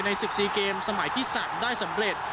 ในสิบสี่เกมสมัยที่สามได้สำเร็จ